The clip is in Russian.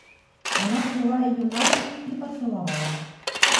Она взяла ее на руки и поцеловала.